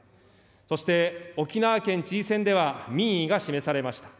そして沖縄県知事選では民意が示されました。